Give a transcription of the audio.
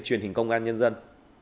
truyền hình công an nhân dân